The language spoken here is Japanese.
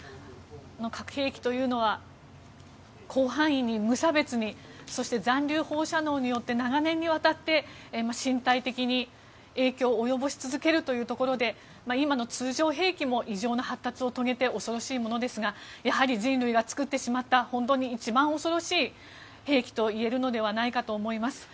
核兵器というのは広範囲に無差別にそして、残留放射能によって長年にわたって身体的に影響を及ぼし続けるというところで今の通常兵器も異常な発達を遂げて恐ろしいものですがやはり人類が作ってしまった本当に一番恐ろしい兵器といえるのではないかと思います。